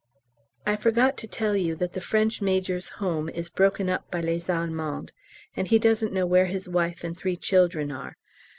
I forgot to tell you that the French Major's home is broken up by Les Allemands, and he doesn't know where his wife and three children are.